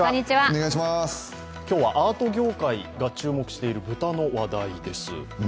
今日はアート業界が注目している豚の話題です。